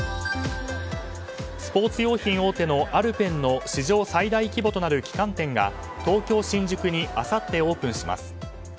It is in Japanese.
スポーツ用品大手のアルペンの史上最大規模となる旗艦店が東京・新宿にあさってオープンします。